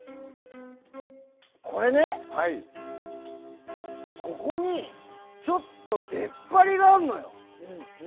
これね、ここにちょっと出っ張りがあるのよ。